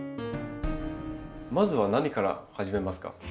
まずは何から始めますか？